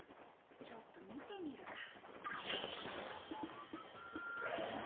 ちょっとみてみるか。